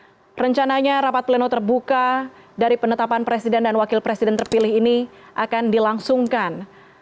jadi rencananya rapat pleno terbuka dari penetapan presiden dan wakil presiden terpilih ini akan dilangsungkan